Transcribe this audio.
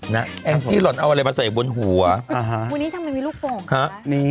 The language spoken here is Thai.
แองจี้หล่อนเอาอะไรมาใส่บนหัววันนี้ทำไมมีลูกโป่งฮะ